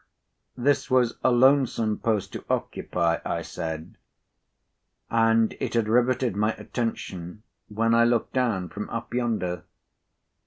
This was a lonesome post to occupy (I said), and it had riveted my attention when I looked down from up yonder.